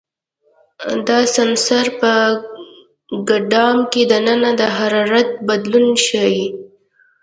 دا سنسر په ګدام کې دننه د حرارت بدلون ښيي.